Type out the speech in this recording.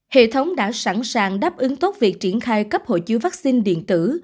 hệ thống đã sẵn sàng đáp ứng tốt việc triển khai cấp hộ chiếu vaccine điện tử